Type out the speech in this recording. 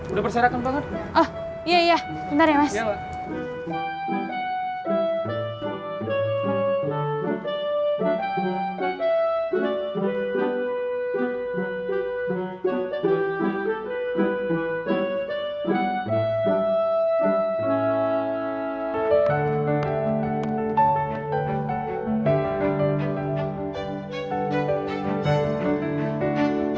udah berserakan banget